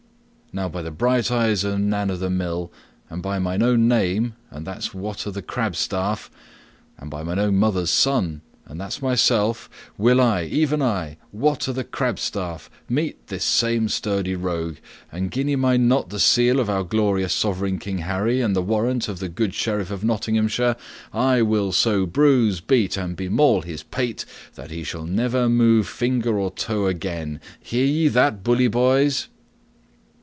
Now by the bright eyes of Nan o' the Mill, and by mine own name and that's Wat o' the Crabstaff, and by mine own mother's son, and that's myself, will I, even I, Wat o' the Crabstaff, meet this same sturdy rogue, and gin he mind not the seal of our glorious sovereign King Harry, and the warrant of the good Sheriff of Nottinghamshire, I will so bruise, beat, and bemaul his pate that he shall never move finger or toe again! Hear ye that, bully boys?"